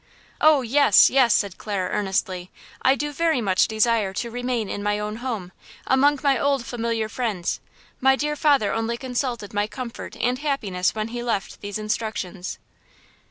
"Oh, yes, yes!" said Clara, earnestly. "I do very much desire to remain in my own home, among my old familiar friends. My dear father only consulted my comfort and happiness when he left these instructions."